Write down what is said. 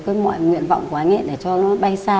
cái mọi nguyện vọng của anh nghệ để cho nó bay xa